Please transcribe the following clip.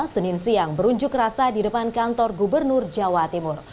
senin siang berunjuk rasa di depan kantor gubernur jawa timur